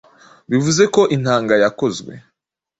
Bivuze ko intanga yakozwe